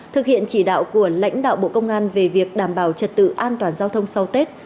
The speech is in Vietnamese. thực hiện chỉ đạo của lãnh đạo bộ công an về việc đảm bảo trật tự an toàn giao thông sau tết